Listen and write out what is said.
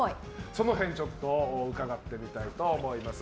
その辺を明日、伺ってみたいと思います。